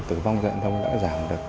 tương đương một mươi sáu mươi sáu